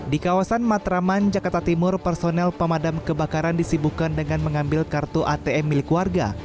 di kawasan matraman jakarta timur personel pemadam kebakaran disibukkan dengan mengambil kartu atm milik warga